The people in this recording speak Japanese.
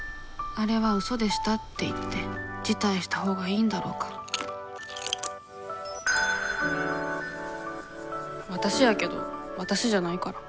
あれは嘘でしたって言って辞退したほうがいいんだろうかわたしやけどわたしじゃないから。